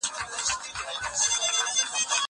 هغه څوک چي امادګي منظم وي!!